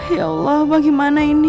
ya allah bagaimana ini